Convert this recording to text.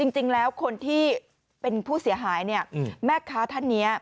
จริงแล้วคนที่เป็นผู้เสียหายเนี่ยแม่ค้าท่านนี้